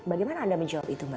bagaimana anda menjawab itu mbak